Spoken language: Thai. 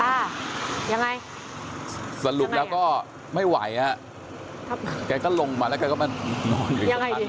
อ่ายังไงสรุปแล้วก็ไม่ไหวอ่ะครับแกก็ลงมาแล้วก็มายังไงดี